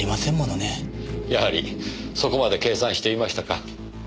やはりそこまで計算していましたか。